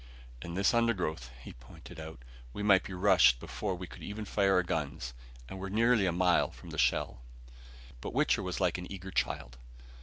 "In this undergrowth," he pointed out, "we might be rushed before we could even fire our guns. And we're nearly a mile from the shell." But Wichter was like an eager child.